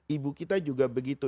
ibu kita juga begitu